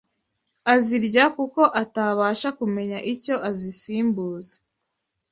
azirya kuko atabasha kumenya icyo azisimbuza